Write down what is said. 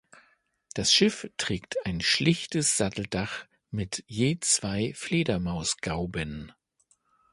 Das Schiff trägt ein schlichtes Satteldach mit je zwei Fledermausgauben.